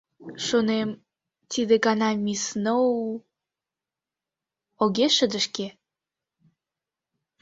Шонем, тиде гана мисс Сноу... огеш шыдешке.